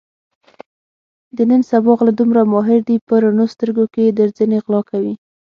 د نن سبا غله دومره ماهر دي په رڼو سترګو کې درځنې غلا کوي.